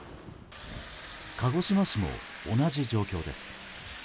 鹿児島市も同じ状況です。